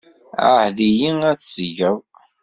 Ɛahed-iyi ar t-tgeḍ.